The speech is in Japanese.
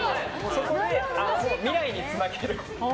そこで、未来につなげる。